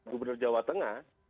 gubernur jawa tengah